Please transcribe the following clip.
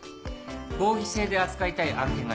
合議制で扱いたい案件があります。